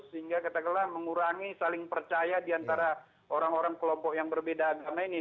sehingga mengurangi saling percaya di antara orang orang kelompok yang berbeda agama ini